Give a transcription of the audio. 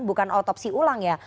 bukan otopsi ulang ya